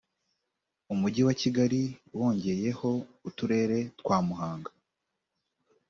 umujyi wa kigali wongeyeho uturere twa muhanga